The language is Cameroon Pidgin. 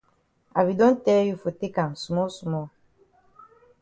I be don tell you for take am small small.